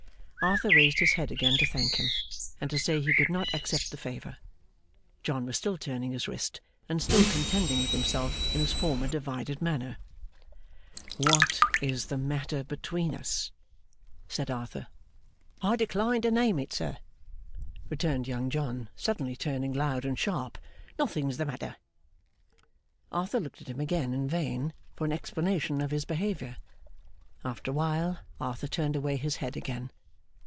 Arthur raised his head again to thank him, and to say he could not accept the favour. John was still turning his wrist, and still contending with himself in his former divided manner. 'What is the matter between us?' said Arthur. 'I decline to name it, sir,' returned Young John, suddenly turning loud and sharp. 'Nothing's the matter.' Arthur looked at him again, in vain, for an explanation of his behaviour. After a while, Arthur turned away his head again.